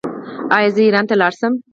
ایا زه ایران ته لاړ شم؟